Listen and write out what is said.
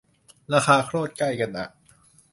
ราคาโคตรใกล้กันอ่ะ